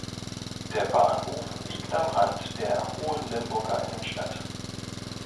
Der Bahnhof liegt am Rand der Hohenlimburger Innenstadt.